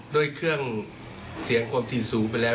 ด้วยเครื่องเสียงความถี่สูงไปแล้ว